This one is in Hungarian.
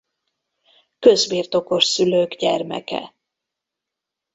Közbirtokos szülők gyermeke.